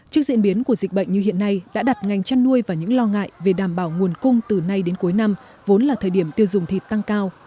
trước diễn biến của dịch bệnh như hiện nay đã đặt ngành chăn nuôi vào những lo ngại về đảm bảo nguồn cung từ nay đến cuối năm vốn là thời điểm tiêu dùng thịt tăng cao